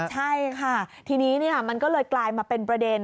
ใช่ค่ะทีนี้มันก็เลยกลายมาเป็นประเด็น